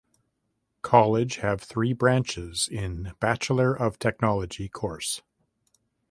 College have three branches in Bachelor of Technology course.